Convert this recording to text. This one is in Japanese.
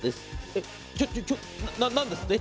「えっちょちょちょ何ですって？」